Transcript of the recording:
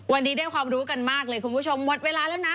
วันนี้ได้ความรู้กันมากเลยคุณผู้ชมหมดเวลาแล้วนะ